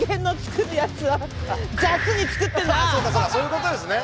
あそうかそうかそういうことですね。